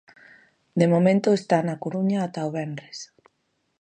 De momento está na Coruña ata o venres.